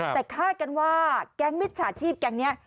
แต่คาดกันว่าแก๊งมิจฉาชีพแก๊งนี้